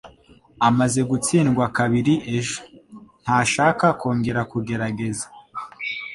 Amaze gutsindwa kabiri ejo, ntashaka kongera kugerageza.